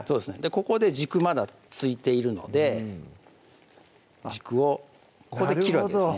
ここで軸まだ付いているので軸をここで切るわけですね